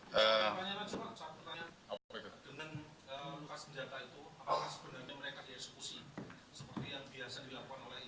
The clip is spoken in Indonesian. pertanyaan pertanyaan dengan luka senjata itu apakah sebenarnya mereka di eksekusi